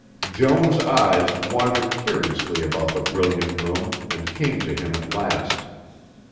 Joan's eyes wandered curiously about the brilliant room and came to him at last.